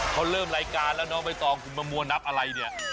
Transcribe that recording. เขาเริ่มรายการแล้วน้องใบตองคุณมามัวนับอะไรเนี่ย